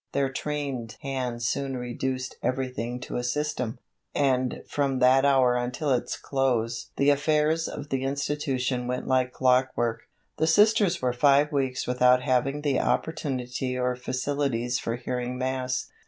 Their trained hands soon reduced everything to a system, and from that hour until its close the affairs of the institution went like clockwork. The Sisters were five weeks without having the opportunity or facilities for hearing Mass.